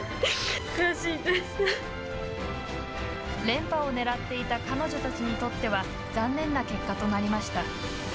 連覇を狙っていた彼女たちにとっては残念な結果となりました。